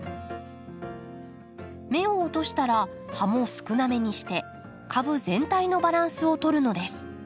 芽を落としたら葉も少なめにして株全体のバランスをとるのです。